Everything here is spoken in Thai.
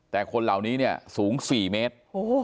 แต่คนเหล่านี้เนี่ยสูง๔เมตร